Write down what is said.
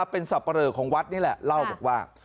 เป็นสับปะเลอของวัดนี่แหละเล่าบอกว่า